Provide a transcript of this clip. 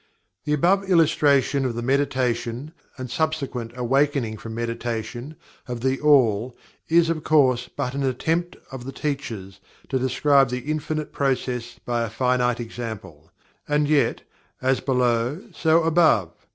The above illustration of the "meditation," and subsequent "awakening from meditation," of THE ALL, is of course but an attempt of the teachers to describe the Infinite process by a finite example. And, yet: "As Below, so Above."